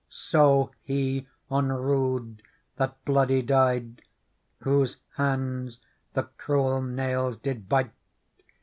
So He on rood that bloody died. Whose hands the cruel nails did bite.